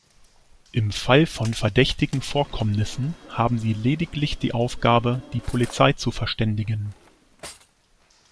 Im Fall von verdächtigen Vorkommnissen haben sie lediglich die Aufgabe, die Polizei zu verständigen.